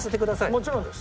もちろんです。